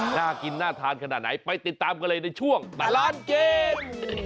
น่ากินน่าทานขนาดไหนไปติดตามกันเลยในช่วงตลอดกิน